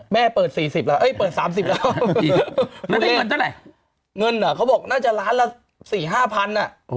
มันเหมือนมันเงินเมื่อนร้านละสี่ห้าพัน